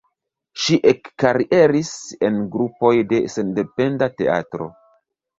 Ŝi ekkarieris en grupoj de sendependa teatro.